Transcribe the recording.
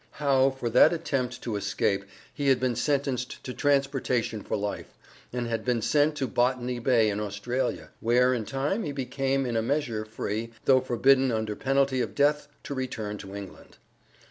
How for that attempt to escape he had been sentenced to transportation for life, and had been sent to Botany Bay in Australia, where in time he became in a measure free, though forbidden under penalty of death to return to England.